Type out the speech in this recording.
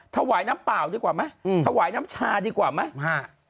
ถวายน้ำเปล่าดีกว่าไหมอืมถวายน้ำชาดีกว่าไหมฮะ